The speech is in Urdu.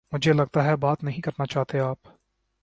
مجھے لگتا ہے بات نہیں کرنا چاہتے آپ